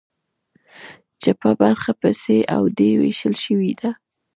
چپه برخه په سي او ډي ویشل شوې ده.